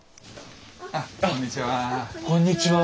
あっこんにちは。